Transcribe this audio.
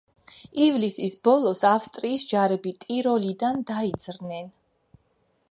ივლისის ბოლოს ავსტრიის ჯარები ტიროლიდან დაიძრნენ.